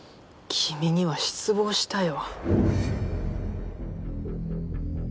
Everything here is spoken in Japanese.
「君には失望したよ」